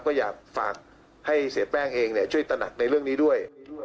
ก็อยากฝากให้เสียแป้งเองช่วยตระหนักในเรื่องนี้ด้วย